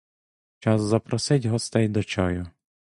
Час запросить гостей до чаю.